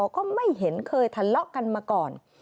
ก็ไม่เห็นเคยทะเลาะกันมาก่อน